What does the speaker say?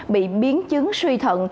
bị biến chứng suy thận